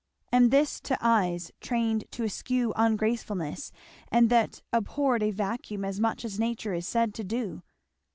And this to eyes trained to eschew ungracefulness and that abhorred a vacuum as much as nature is said to do!